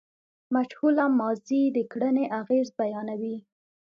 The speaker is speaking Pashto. مجهوله ماضي د کړني اغېز بیانوي.